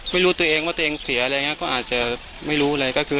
ไม่รู้ตัวเองว่าตัวเองเสียอะไรอย่างนี้ก็อาจจะไม่รู้เลยก็คือ